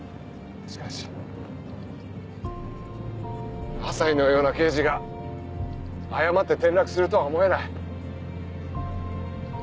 しかし朝陽のような刑事が誤って転落するとは思えない。